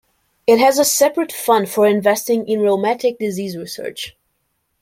It has a separate fund for investing in rheumatic disease research.